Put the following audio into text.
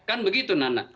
kan begitu nana